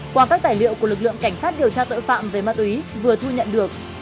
qua các tài liệu của lực lượng cảnh sát điều tra tội phạm về ma túy vừa thu nhận được